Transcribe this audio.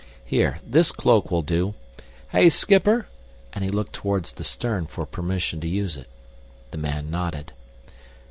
Here, this cloak will do. Hey, schipper?" and he looked toward the stern for permission to use it. The man nodded.